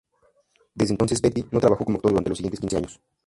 Desde entonces Beatty no trabajó como actor durante los siguientes quince años.